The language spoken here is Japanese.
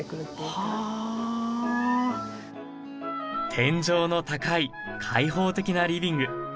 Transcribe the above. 天井の高い開放的なリビング。